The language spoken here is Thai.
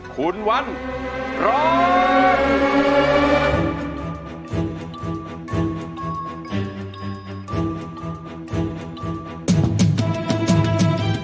คุณวันร้อง